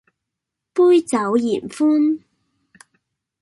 杯酒言歡